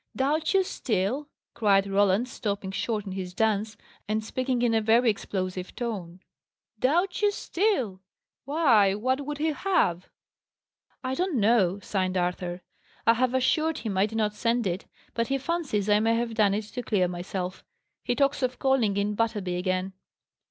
"Doubt you still!" cried Roland, stopping short in his dance, and speaking in a very explosive tone. "Doubt you still! Why, what would he have?" "I don't know;" sighed Arthur. "I have assured him I did not send it; but he fancies I may have done it to clear myself. He talks of calling in Butterby again."